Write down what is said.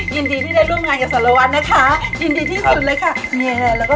ยินดีที่ได้ร่วมงานกับสารวัตรนะคะยินดีที่สุดเลยค่ะแล้วก็